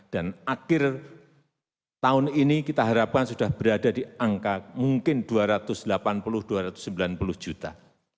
dan akhir tahun ini kita harapkan sudah berada di angka mungkin dua ratus delapan puluh dua ratus sembilan puluh juta